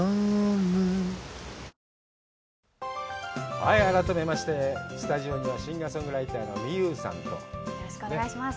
はい改めましてスタジオにはシンガーソングライターのＭｉｙｕｕさんとよろしくお願いします